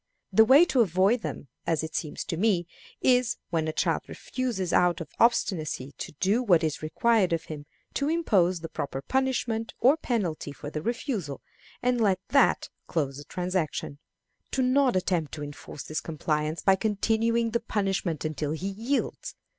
The way to avoid them, as it seems to me, is, when a child refuses out of obstinacy to do what is required of him, to impose the proper punishment or penalty for the refusal, and let that close the transaction. Do not attempt to enforce his compliance by continuing the punishment until he yields.